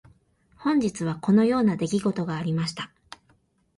本日はこのような出来事がありました。